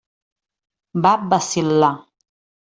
Va vacil·lar.